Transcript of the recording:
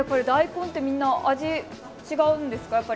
大根ってみんな、味違うんですか？